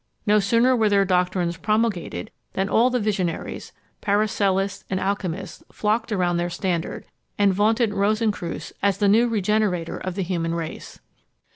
No sooner were their doctrines promulgated, than all the visionaries, Paracelsists, and alchymists, flocked around their standard, and vaunted Rosencreutz as the new regenerator of the human race.